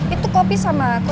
itu kopi sama aku